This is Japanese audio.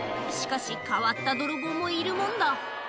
しかし変わった泥棒もいるもんだ